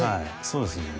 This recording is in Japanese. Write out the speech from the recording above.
そうですね